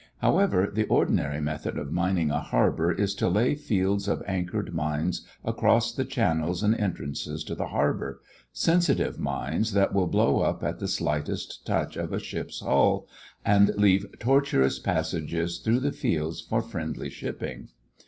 However, the ordinary method of mining a harbor is to lay fields of anchored mines across the channels and entrances to the harbor sensitive mines that will blow up at the slightest touch of a ship's hull and leave tortuous passages through the fields for friendly shipping.